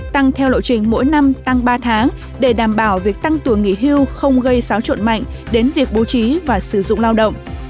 tăng theo lộ trình mỗi năm tăng ba tháng để đảm bảo việc tăng tuổi nghỉ hưu không gây xáo trộn mạnh đến việc bố trí và sử dụng lao động